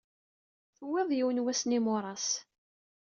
Tuwyeḍ yiwen wass n yimuras.